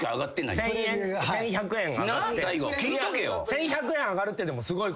１，１００円上がるってでもすごいこと。